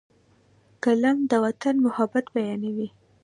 قلم د وطن محبت بیانوي